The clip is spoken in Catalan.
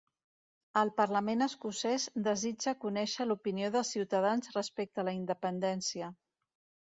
El Parlament Escocès desitja conèixer l'opinió dels ciutadans respecte a la independència